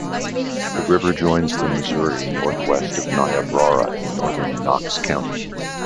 The river joins the Missouri northwest of Niobrara in northern Knox County.